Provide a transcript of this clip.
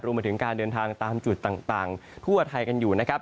มาถึงการเดินทางตามจุดต่างทั่วไทยกันอยู่นะครับ